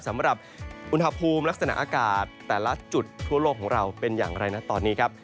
สำหรับอุณหภูมิลักษณะอากาศแต่ละจุดทั่วโลกของเราเป็นอย่างไรนะตอนนี้ครับ